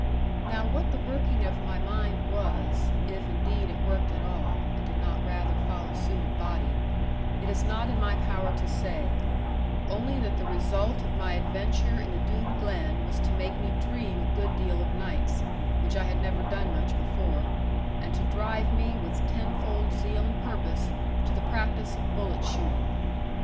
Now what the working of my mind was (if, indeed it worked at all, and did not rather follow suit of body) it is not in my power to say; only that the result of my adventure in the Doone Glen was to make me dream a good deal of nights, which I had never done much before, and to drive me, with tenfold zeal and purpose, to the practice of bullet shooting.